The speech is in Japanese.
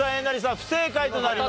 不正解となります。